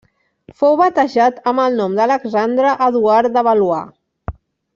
Fou batejat amb el nom d'Alexandre Eduard de Valois.